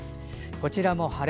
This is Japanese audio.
こちらも晴れ。